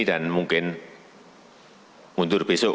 dan mungkin mundur besok